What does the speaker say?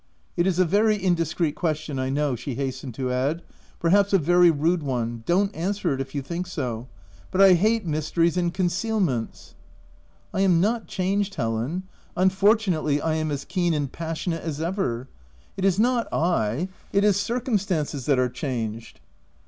— It is a very indis creet question I know," she hastened to add : c< perhaps, a very rude one — don't answer it if you think so — but I hate mysteries and con cealments.'* " I am not changed, Helen — unfortunately I am as keen and passionate as ever — it is not I, it is circumstances that are changed."